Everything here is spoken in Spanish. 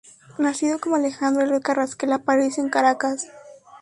Nacido como Alejandro Eloy Carrasquel Aparicio en Caracas.